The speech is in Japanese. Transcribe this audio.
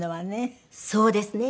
そうですね。